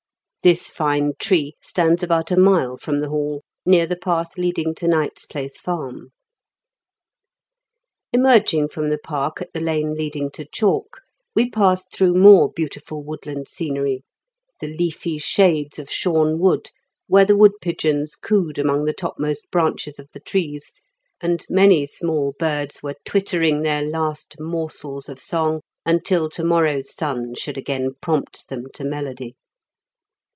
This fine tree stands about a . mile from the Hall, near the path leading to Knight's Place Farm. Emerging from the park at the lane leading to Chalk, we passed through more beautiful woodland scenery, the leafy shades of Shome Wood, where the wood pigeons cooed among the topmost branches of the trees, and many small birds were twittering their last morsels of song until to morrow's sun should again prompt them to melody.